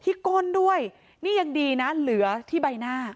ก้นด้วยนี่ยังดีนะเหลือที่ใบหน้า